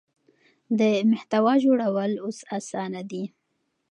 د محتوا جوړول اوس اسانه دي.